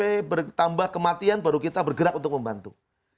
sampai bertambah kematian baru kita bergerak untuk membantu